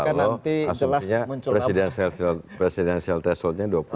kalau asumsinya presidensial thresholdnya dua puluh